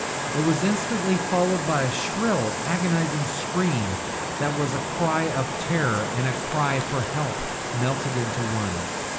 It was instantly followed by a shrill, agonised scream that was a cry of terror and a cry for help melted into one.